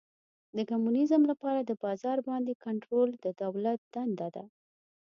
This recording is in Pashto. د کمونیزم لپاره د بازار باندې کنټرول د دولت دنده ده.